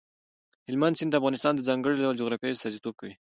هلمند سیند د افغانستان د ځانګړي ډول جغرافیې استازیتوب کوي.